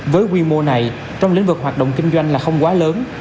với quy mô này trong lĩnh vực hoạt động kinh doanh là không quá lớn